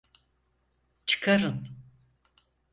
Çıkarın!